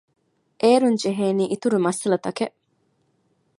އޭރުން ޖެހޭނީ އިތުރު މައްސަލަތަކެއް